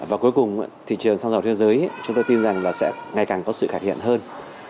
và cuối cùng thị trường xăng dầu thế giới chúng tôi tin rằng là sẽ ngày càng có sự khả hiện hơn